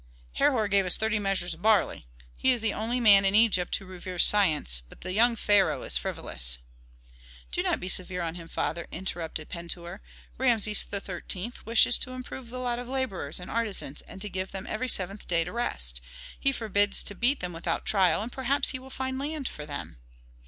"Herhor gave us thirty measures of barley. He is the only man in Egypt who reveres science, but the young pharaoh is frivolous." "Do not be severe on him, father," interrupted Pentuer. "Rameses XIII. wishes to improve the lot of laborers and artisans, and give them every seventh day to rest; he forbids to beat them without trial, and perhaps he will find land for them."